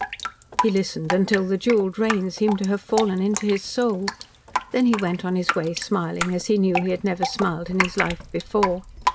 He listened until the jewelled rain seemed to have fallen into his soul. Then he went on his way smiling as he knew he had never smiled in his life before.